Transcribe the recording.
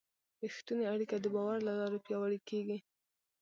رښتونې اړیکه د باور له لارې پیاوړې کېږي.